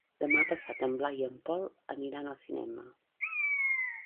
Demà passat en Blai i en Pol aniran al cinema.